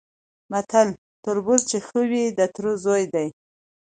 متل: تربور چي ښه وي د تره زوی دی؛